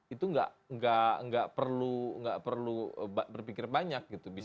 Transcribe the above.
itu nggak perlu berpikir banyak gitu